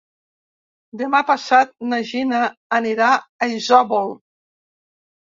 Demà passat na Gina anirà a Isòvol.